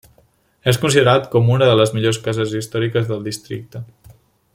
És considerat com una de les millors cases històriques del districte.